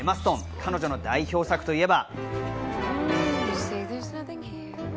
彼女の代表作といえば。